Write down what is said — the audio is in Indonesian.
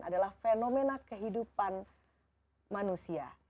adalah fenomena kehidupan manusia